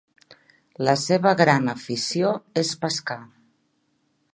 La seva gran afició és pescar.